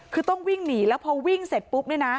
คือต้องวิ่งหนีแล้วพอวิ่งเสร็จปุ๊บเนี่ยนะ